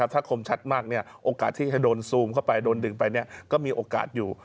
ถ้าคมชัดมากโอกาสที่จะโดนซูมเข้าไปโดนดึงไปก็มีโอกาสอยู่